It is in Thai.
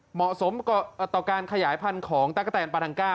เหมาะสมต่อการขยายพันธุ์ของตะกะแตนปานังก้า